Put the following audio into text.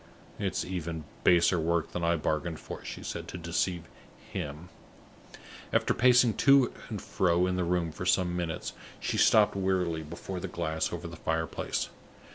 "It's even baser work than I bargained for," she said, "to deceive him." After pacing to and fro in the room for some minutes, she stopped wearily before the glass over the fire place.